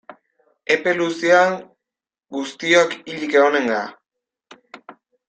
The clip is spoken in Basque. Epe luzean guztiok hilik egongo gara.